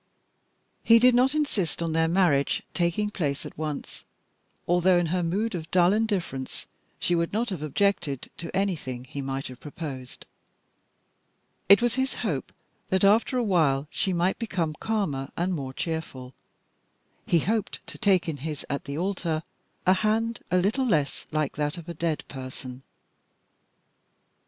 He did not insist on their marriage taking place at once, although in her mood of dull indifference she would not have objected to anything he might have proposed. It was his hope that after a while she might become calmer, and more cheerful. He hoped to take in his at the altar a hand a little less like that of a dead person.